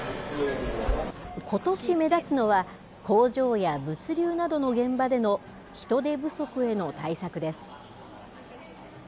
ことし目立つのは、工場や物流などの現場での人手不足への対策です。